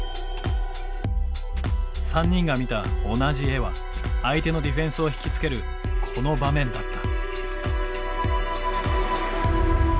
３人が見た「同じ絵」は相手のディフェンスを引き付けるこの場面だった。